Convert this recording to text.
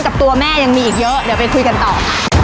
กับตัวแม่ยังมีอีกเยอะเดี๋ยวไปคุยกันต่อ